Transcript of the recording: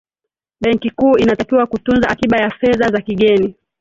benki kuu inatakiwa kutunza akiba ya fedha za kigeni